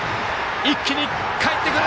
一気にかえってくる！